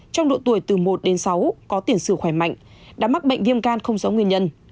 trong độ tuổi từ một đến sáu có tiền sử khỏe mạnh đã mắc bệnh viêm gan không rõ nguyên nhân